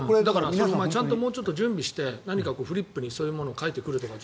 もうちょっと準備して何かフリップにそういうものを書いてくるとか